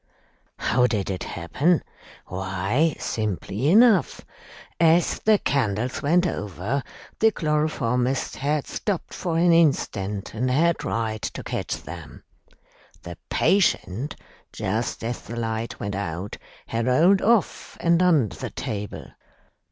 "How did it happen? Why, simply enough. As the candles went over, the chloroformist had stopped for an instant and had tried to catch them. The patient, just as the light went out, had rolled off and under the table.